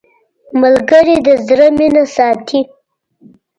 ملګری د زړه مینه ساتي